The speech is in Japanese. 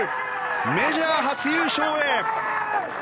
メジャー初優勝へ。